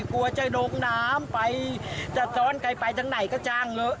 กลัวจะลงน้ำไปจะท้อนใครไปทั้งไหนก็ช่างเหอะ